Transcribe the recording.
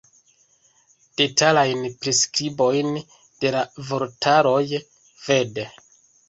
Detalajn priskribojn de la vortaroj vd.